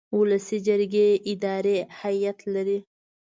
ولسي جرګې اداري هیئت لري.